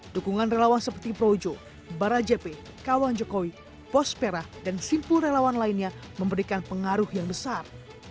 dukungan relawan seperti projo barajepi kawan jokowi pospera dan simpul relawan lainnya memberikan pengaruh yang besar